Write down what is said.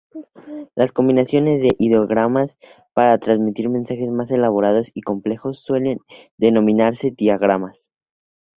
Las combinaciones de ideogramas para transmitir mensajes más elaborados y complejos suelen denominarse diagramas.